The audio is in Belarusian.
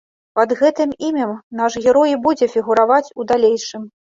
Пад гэтым імем наш герой і будзе фігураваць у далейшым.